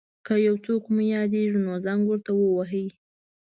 که یو څوک مو یاديږي نو زنګ ورته وواهه.